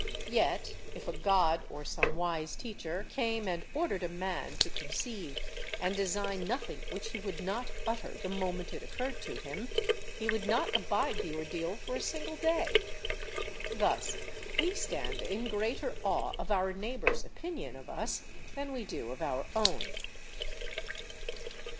Yet, if a God or some wise teacher came and ordered a man to conceive and design nothing which he would not utter the moment it occurred to him, he would not abide the ordeal for a single day. Thus we stand in greater awe of our neighbours' opinion of us than we do of our own.